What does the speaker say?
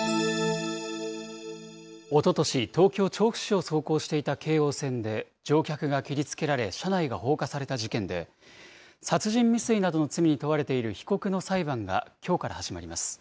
おととし、東京・調布市を走行していた京王線で乗客が切りつけられ、車内が放火された事件で、殺人未遂などの罪に問われている被告の裁判がきょうから始まります。